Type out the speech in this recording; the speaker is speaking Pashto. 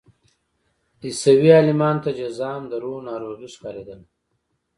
عیسوي عالمانو ته جذام د روح ناروغي ښکارېدله.